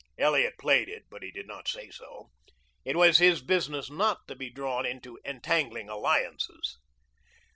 Elliot played it, but he did not say so. It was his business not to be drawn into entangling alliances.